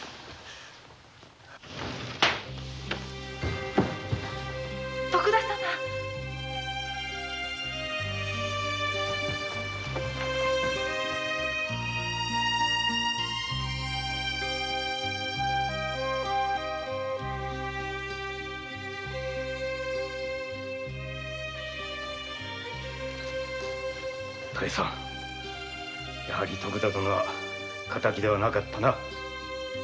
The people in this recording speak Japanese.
やはり徳田殿は敵ではなかったな。